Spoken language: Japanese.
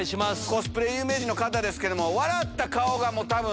コスプレ有名人の方ですけども。